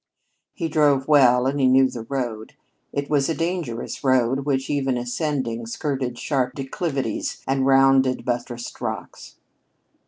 He drove well, and he knew the road. It was a dangerous road, which, ever ascending, skirted sharp declivities and rounded buttressed rocks.